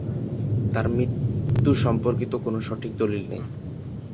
তার মৃত্যু সম্পর্কিত কোনো সঠিক দলিল নেই।